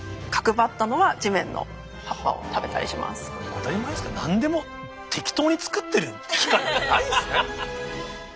当たり前ですけど何でも適当に作ってる器官なんてないんですね。